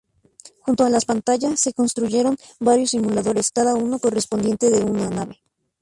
Junto a las pantallas, se construyeron varios simuladores, cada uno correspondiente a una nave.